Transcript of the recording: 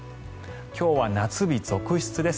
今日は夏日続出です。